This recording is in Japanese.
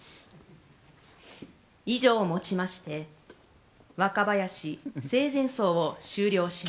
以上を持ちまして若林生前葬を終了します。